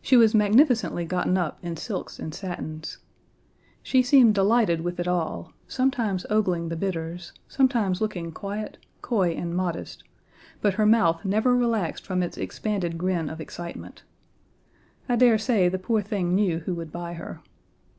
She was magnificently gotten up in silks and satins. She seemed delighted with it all, sometimes ogling the bidders, sometimes looking quiet, coy, and modest, but her mouth never relaxed from its expanded grin of excitement. I dare say the poor thing knew who would buy her.